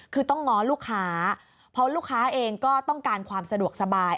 คือต้องง้อลูกค้าเพราะลูกค้าเองก็ต้องการความสะดวกสบาย